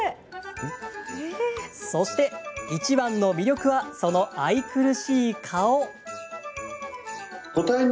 そして、いちばんの魅力はその愛くるしい顔。